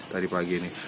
tadi pagi ini